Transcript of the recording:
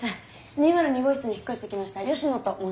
２０２号室に引っ越してきました吉野と申します。